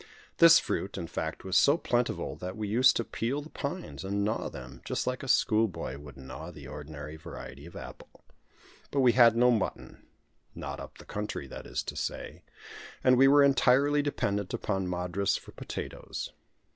This fruit, in fact, was so plentiful that we used to peel the pines, and gnaw them, just like a school boy would gnaw the ordinary variety of apple. But we had no mutton not up the country, that is to say; and we were entirely dependent upon Madras for potatoes.